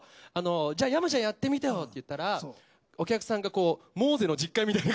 じゃあ山ちゃんやってみてよって言ったらお客さんがこうモーゼの十戒みたいに。